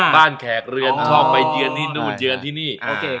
บ้านแขกเรือนชอบไปเยือนที่นู่นที่นี่